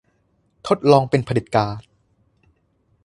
ทดลองเป็นเผด็จการ